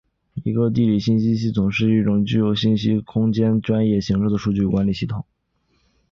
一个地理信息系统是一种具有信息系统空间专业形式的数据管理系统。